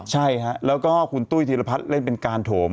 ใช่ฮะแล้วก็คุณตุ้ยธีรพัฒน์เล่นเป็นการโถม